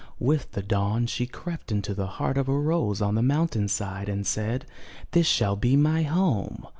With the dawn, she crept into the heart of a rose on the mountain side and said 'This shall be my home."